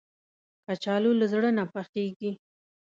کچالو له زړه نه پخېږي